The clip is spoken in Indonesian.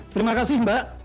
terima kasih mbak